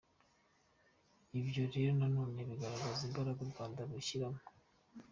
Ibyo rero na none bigaragaza imbaraga u Rwanda rushyiramo.